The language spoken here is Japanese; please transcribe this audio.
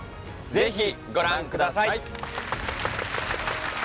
ぜひご覧ください